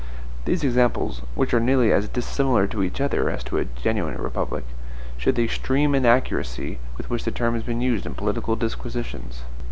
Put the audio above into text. These examples, which are nearly as dissimilar to each other as to a genuine republic, show the extreme inaccuracy with which the term has been used in political disquisitions.